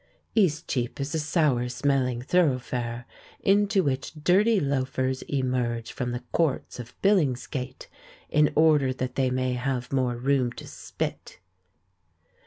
Eastcheap is a sour smelling thoroughfare into which dirty loafers emerge from the courts of Billingsgate in order that they may have more room to spit.